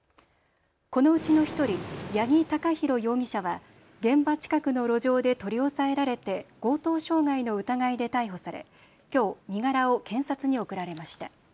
このうちの１人、八木貴寛容疑者は現場近くの路上で取り押さえられて強盗傷害の疑いで逮捕されきょう身柄を検察に送られました。